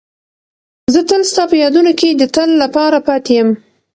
زه تل ستا په یادونو کې د تل لپاره پاتې یم.